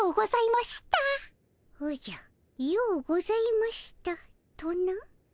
「ようございました」とな。